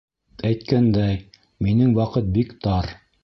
Әйткәндәй, минең ваҡыт бик тар.